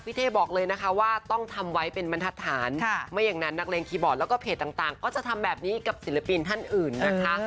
เท่บอกเลยนะคะว่าต้องทำไว้เป็นบรรทัศนไม่อย่างนั้นนักเลงคีย์บอร์ดแล้วก็เพจต่างก็จะทำแบบนี้กับศิลปินท่านอื่นนะคะ